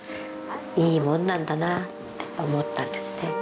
いいものなんだなって思ったんですね。